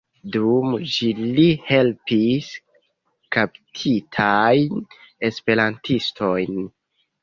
Dum ĝi li helpis kaptitajn esperantistojn.